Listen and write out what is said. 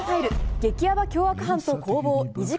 激ヤバ凶悪犯と攻防２時間